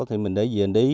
thì mình để gì anh ý